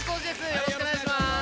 よろしくお願いします。